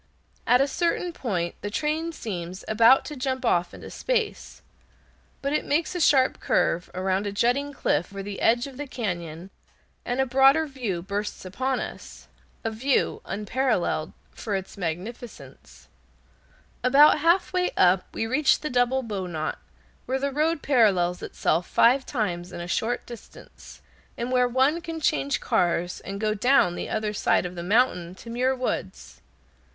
At a certain point the train seems about to jump off into space, but it makes a sharp curve around a jutting cliff on the edge of the cañon, and a broader view bursts upon us, a view unparalleled for its magnificence. [Illustration: MOUNT TAMALPAIS] About half way up we reach the double bowknot, where the road parallels itself five times in a short distance, and where one can change cars and go down the other side of the mountain to Muir Woods.